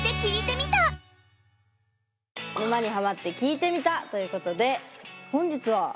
「沼にハマってきいてみた」ということで本日は。